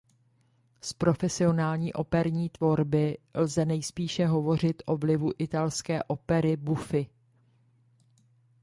Z profesionální operní tvorby lze nejspíše hovořit o vlivu italské opery buffy.